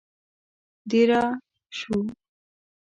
دېره شوو.